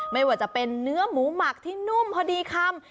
ไม่ว่าจะเป็นเนื้อหมูหมักที่นุ่มพอดีคำ